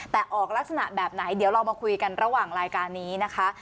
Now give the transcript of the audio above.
แต่ออกลักษณะแบบไหนเดี๋ยวเรามาคุยกันระหว่างรายการนี้นะคะ